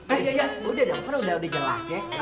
eh udah dah udah jelas